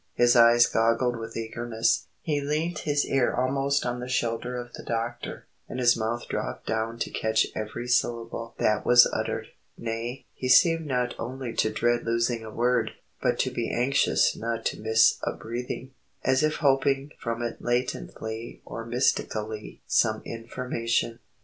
His eyes goggled with eagerness; he leant his ear almost on the shoulder of the doctor, and his mouth dropped down to catch every syllable that was uttered; nay, he seemed not only to dread losing a word, but to be anxious not to miss a breathing, as if hoping from it latently or mystically some information.